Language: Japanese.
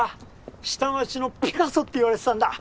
下町のピカソって言われてたんだ。